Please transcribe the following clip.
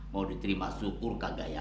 mau diterima syukur kak gaya